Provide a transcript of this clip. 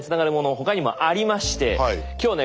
他にもありまして今日ね